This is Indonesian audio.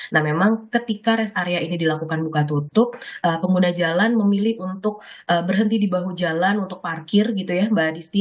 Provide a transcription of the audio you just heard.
nah memang ketika rest area ini dilakukan buka tutup pengguna jalan memilih untuk berhenti di bahu jalan untuk parkir gitu ya mbak disti